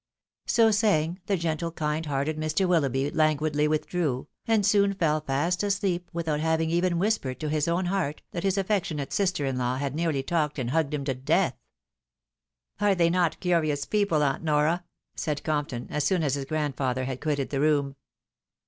So saying, the gentle, kind hearted Mr. WiUoughby languidly withdrew, and soon fell fast asleep without having even whispered to his own heart that his affectionate sister in law had nearly talked and hugged him to death. " Are they not curious people, aunt Nora ?" said Compton, as soon as his grandfather had quitted the room.